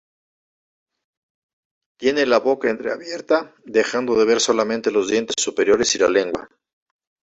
Tiene la boca entreabierta, dejando de ver solamente los dientes superiores y la lengua.